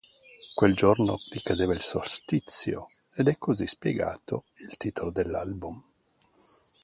Quel giorno ricadeva il solstizio ed è così spiegato il titolo dell'album.